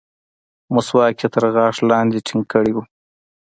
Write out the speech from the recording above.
مسواک يې تر غاښ لاندې ټينګ کړى و.